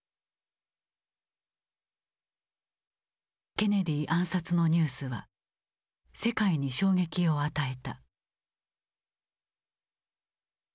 ケネディ暗殺のニュースは世界に衝撃を与えた。